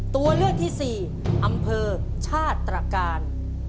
ตัวเลือกที่๔อำเภอชาติตรการ